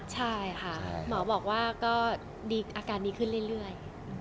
ใช่ค่ะหมอบอกว่าก็อาการดีขึ้นเรื่อย